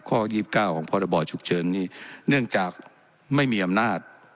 ข้อยีบเก้าของพรบอฉุกเฉินเนื่องจากไม่มีอำนาจ